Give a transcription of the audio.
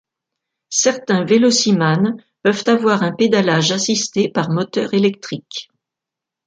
Certains vélocimanes peuvent avoir un pédalage assisté par moteur électrique.